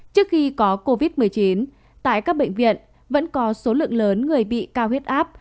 trước khi có covid một mươi chín tại các bệnh viện vẫn có số lượng lớn người bị cao huyết áp